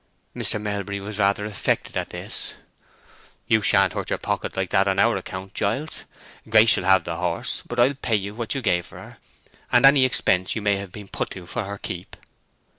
Mr. Melbury was rather affected at this. "You sha'n't hurt your pocket like that on our account, Giles. Grace shall have the horse, but I'll pay you what you gave for her, and any expense you may have been put to for her keep."